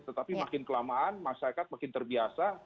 tetapi makin kelamaan masyarakat makin terbiasa